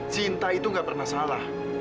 cinta itu gak pernah salah